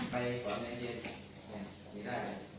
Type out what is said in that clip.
มีเขาค่ะ